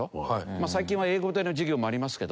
まあ最近は英語での授業もありますけど。